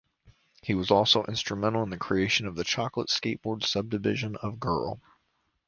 He was also instrumental in the creation of the Chocolate Skateboards subdivision of Girl.